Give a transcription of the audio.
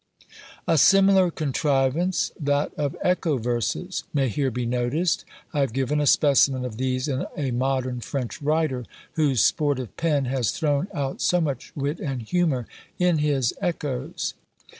A similar contrivance, that of ECHO VERSES, may here be noticed. I have given a specimen of these in a modern French writer, whose sportive pen has thrown out so much wit and humour in his ECHOES.